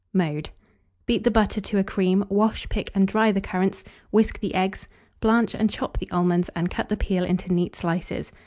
Mode. Beat the butter to a cream; wash, pick, and dry the currants; whisk the eggs; blanch and chop the almonds, and cut the peel into neat slices.